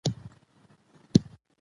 ایا جټان هم د مرهټیانو په ائتلاف کې وو؟